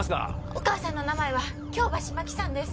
お母さんの名前は京橋真紀さんです